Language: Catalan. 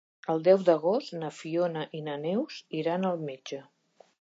El deu d'agost na Fiona i na Neus iran al metge.